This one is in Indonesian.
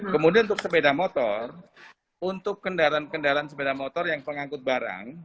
kemudian untuk sepeda motor untuk kendaraan kendaraan sepeda motor yang pengangkut barang